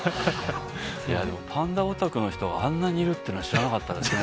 でも、パンダおたくの人があんなにいるっていうのは知らなかったですね。